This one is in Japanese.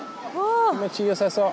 気持ちよさそう！